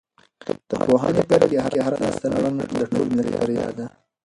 د پوهنې په ډګر کې هره لاسته راوړنه د ټول ملت بریا ده.